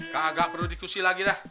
kagak perlu diskusi lagi dah